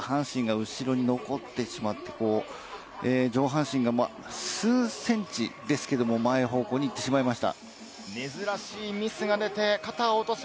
ちょっと下半身が後ろに残ってしまって、上半身が数センチですけれども、前方向に行ってしまいました。